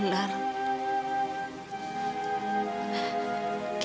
saya ilhamkan diri